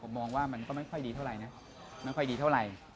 ผมมองว่ามันก็ไม่ค่อยดีเท่าไหร่นะไม่ค่อยดีเท่าไหร่